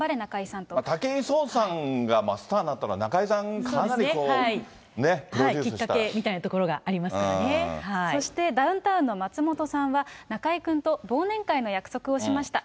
武井壮さんがスターになったのは、中居さん、かなりね、きっかけみたいなところがあそして、ダウンタウンの松本さんは、中居君と忘年会の約束をしました。